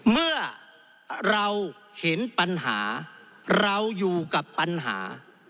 เมื่อเราเห็นปัญหาเราอยู่กับปัญหา